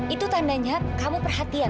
itu tandanya kamu perhatian